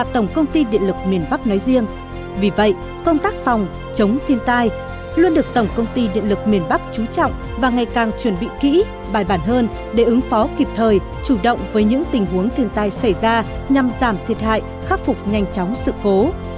tổng công ty điện lực miền bắc nói riêng vì vậy công tác phòng chống thiên tai luôn được tổng công ty điện lực miền bắc trú trọng và ngày càng chuẩn bị kỹ bài bản hơn để ứng phó kịp thời chủ động với những tình huống thiên tai xảy ra nhằm giảm thiệt hại khắc phục nhanh chóng sự cố